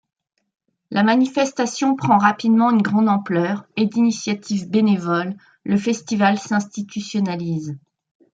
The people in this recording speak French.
La manifestation prend rapidement une grande ampleur, et d'initiative bénévole, le festival s'institutionnalise.